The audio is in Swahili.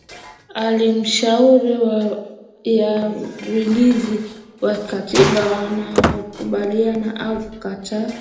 Halmashauri ya Walinzi wa Katiba wanaokubali au kukataa